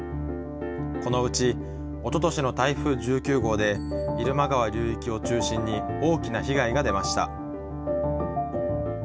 このうちおととしの台風１９号で入間川流域を中心に大きな被害が出ました。